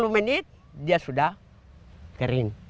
tiga puluh menit dia sudah kering